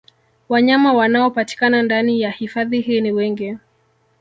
Wanyama wanaopatikana ndani ya hifadhi hii ni wengi